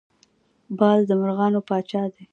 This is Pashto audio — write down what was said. باز د مرغانو پاچا دی